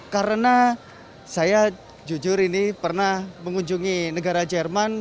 karena saya jujur ini pernah mengunjungi negara jerman